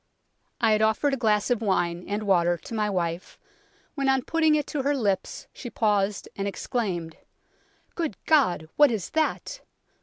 " I had offered a glass of wine and water to 62 UNKNOWN LONDON my wife, when on putting it to her lips she paused, and exclaimed "' Good God ! what is that